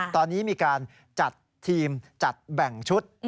ตอนนี้มีการจัดทีมจัดแบ่งชุด